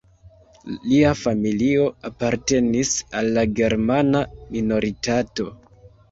Lia familio apartenis al la germana minoritato.